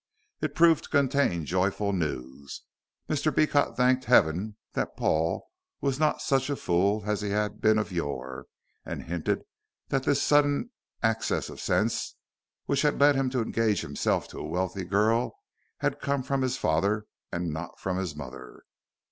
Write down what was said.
It proved to contain joyful news. Mr. Beecot thanked Heaven that Paul was not such a fool as he had been of yore, and hinted that this sudden access of sense which had led him to engage himself to a wealthy girl had come from his father and not from his mother.